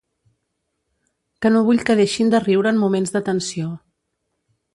Que no vull que deixin de riure en moments de tensió.